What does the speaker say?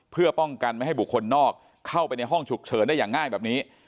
เพื่อป้องกันไม่ให้บุคคลนอกเข้าไปในห้องฉุกเฉินได้อย่างง่ายแบบนี้